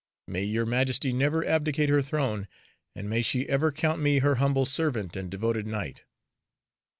May your Majesty never abdicate her throne, and may she ever count me her humble servant and devoted knight."